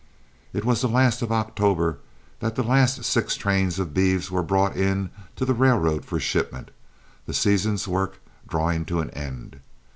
It was the last of October that the last six trains of beeves were brought in to the railroad for shipment, the season's work drawing to an end.